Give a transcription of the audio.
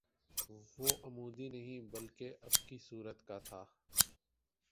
وہ عمودی نہیں بلکہ افقی صورت کا تھا